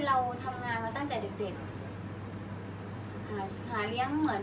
อันไหนที่มันไม่จริงแล้วอาจารย์อยากพูด